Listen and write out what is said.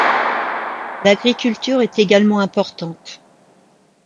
L'agriculture est également importante.